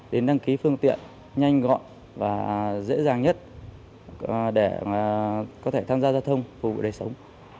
đến đăng ký phương tiện nhanh gọn và dễ dàng nhất để có thể tham gia giao thông phục vụ đời sống